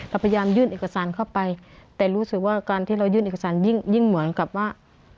เราพยายามยื่นเอกสารเข้าไปแต่รู้สึกว่าการที่เรายื่นเอกสารยิ่งเหมือนกับว่า